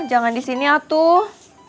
jangan disini atuh